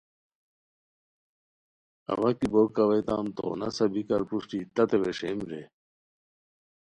اوا کی بوک اویتام تو نسہ بیکار پروشٹی تتے ویݰیم رے